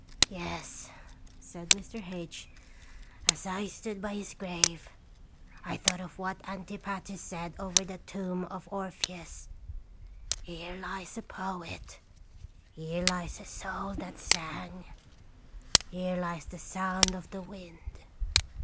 "" Yes," said Mr. H . "As I stood by his grave, I thought of what Antipater said over the tomb of Orpheus :' Here lies a poet ; here lies a soul that sang ; here lies the sound of the wind.'